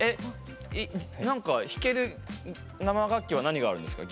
弾ける生楽器は何があるんですか？